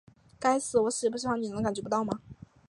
该死，我喜不喜欢你难道你感觉不到吗?